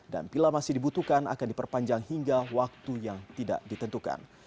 dan bila masih dibutuhkan akan diperpanjang hingga waktu yang tidak ditentukan